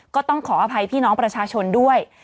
ก็ต้องขออภัยพี่น้องประชาชนด้วย